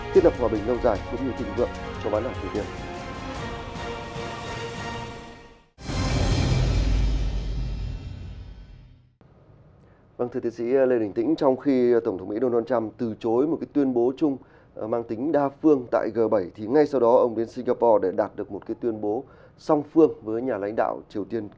thiết lập hòa bình lâu dài cũng như tình vượng cho bản đồng triều tiên